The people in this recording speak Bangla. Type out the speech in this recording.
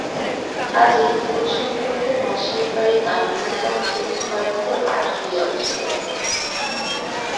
কাজেই দূর সম্পর্কের মাসির বাড়ি দামিনীর পক্ষে ভয়ংকর আঁট হইয়া উঠিল।